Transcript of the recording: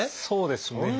そうですね。